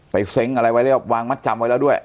เซ้งอะไรไว้แล้ววางมัดจำไว้แล้วด้วย